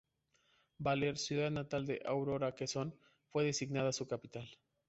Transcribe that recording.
Baler, ciudad natal de Aurora Quezón, fue designada su capital.